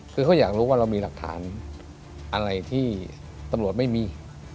คือเขาอยากรู้ว่าเรามีหลักฐานอะไรที่ตำรวจไม่มี